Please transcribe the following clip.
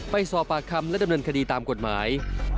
ไปสอบปากคำและดำเนินคดีตามกฎหมาย